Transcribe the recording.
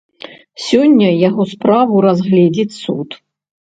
Сёння яго справу разгледзіць суд.